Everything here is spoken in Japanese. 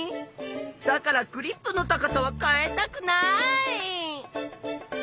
だからクリップの高さは変えたくない！